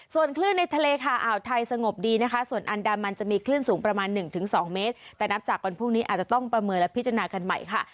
ส่วนคลื่นในทะเลค่ะอ่าวไทยสงบดีนะคะส่วนอันดามันจะมีคลื่นสูงประมาณหนึ่งถึงสองเมตรแต่นับจากวันพรุ่งนี้อาจจะต้องประเมินและพิจารณากันใหม่ค่ะ